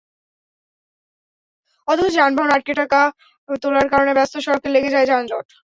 অথচ যানবাহন আটকে টাকা তোলার কারণে ব্যস্ত সড়কে লেগে যায় যানজট।